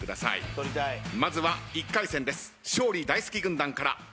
まずは１回戦です。